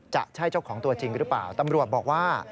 จะใช่เจ้าของตัวจริงหรือเปล่าตำรวจบอกว่า